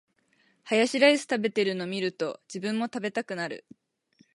ハヤシライス食べてるの見ると、自分も食べたくなる